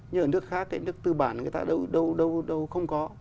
như ở nước khác nước tư bản người ta đâu không có